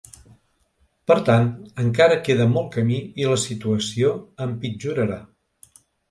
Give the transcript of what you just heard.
Per tant, encara queda molt camí i la situació empitjorarà.